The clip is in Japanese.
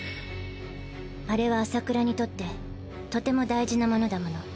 あれは麻倉にとってとても大事なものだもの。